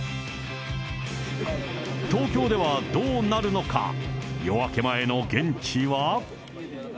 東京ではどうなるのか、夜明け前の現地は。